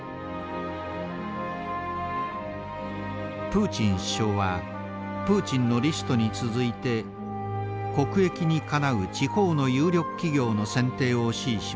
プーチン首相はプーチンのリストに続いて国益にかなう地方の有力企業の選定を指示しました。